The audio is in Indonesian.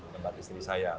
tempat istri saya